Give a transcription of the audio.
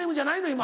今。